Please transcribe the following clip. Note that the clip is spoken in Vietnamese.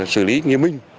xử lý nghiêm minh